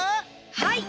はい。